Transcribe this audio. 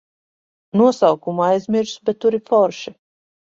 Nosaukumu aizmirsu, bet tur ir forši.